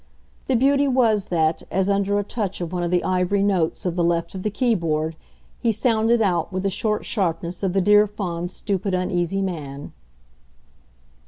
The beauty was that, as under a touch of one of the ivory notes at the left of the keyboard, he sounded out with the short sharpness of the dear fond stupid uneasy man.